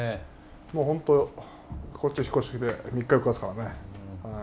本当こっち引っ越してきて３日４日ですからね。